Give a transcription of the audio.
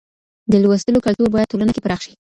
د لوستلو کلتور بايد ټولنه کې پراخ شي.